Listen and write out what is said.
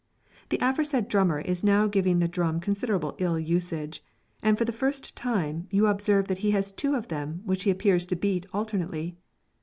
The aforesaid drummer is now giving the drum considerable ill usage, and then for the first time, you observe that he has two of them which he appears to beat alternately.